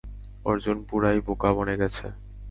অর্জুন পুরাই বোকা বনে গেছে।